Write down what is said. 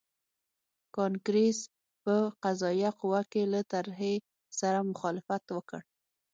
کانګریس په قضایه قوه کې له طرحې سره مخالفت وکړ.